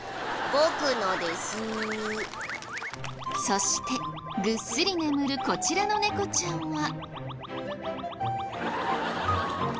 そしてぐっすり眠るこちらのネコちゃんは。